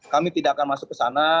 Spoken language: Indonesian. kami tidak akan masuk ke sana